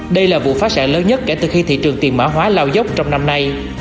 đây là vụ phá sản lớn nhất kể từ khi thị trường tiền mã hóa lao dốc trong năm nay